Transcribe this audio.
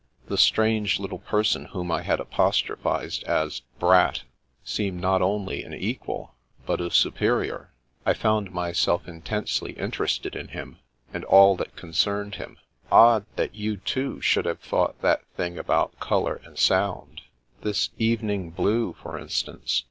The strange little person whom I had apostrophised as " Brat " seemed not only an equal, but a superior. I found myself intensely interested in him, and all that concerned him. The Path of the Moon 1 6 1 " Odd, that you, too, should have thought that thing about colour and sound! This evening blue, for instance.